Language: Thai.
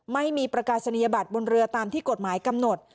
ไม่มีประกาศนียบัตรบนเรือตามที่กฎหมายกำหนด